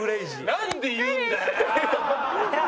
なんで言うんだよ！